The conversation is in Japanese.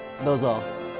どうぞ